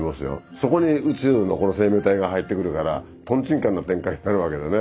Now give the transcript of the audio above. そこに宇宙のこの生命体が入ってくるからとんちんかんな展開になるわけだよね。